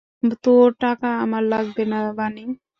তোর টাকা আমার লাগবে না, বানি।